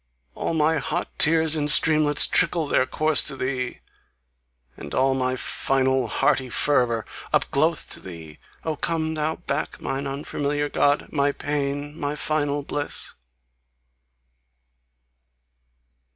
All my hot tears in streamlets trickle Their course to thee! And all my final hearty fervour Up glow'th to THEE! Oh, come thou back, Mine unfamiliar God! my PAIN! My final bliss!